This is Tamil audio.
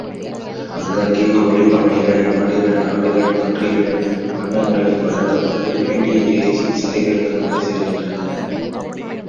அங்கங்கே கோழிப் பண்ணைகள், மாடுகள், ஆடுகள், பன்றிகள் பண்ணை முறையில் வளர்க்கப்பட்டு வேண்டிய இறைச்சி சந்தைகளுக்கு வந்து சேர்கின்றன.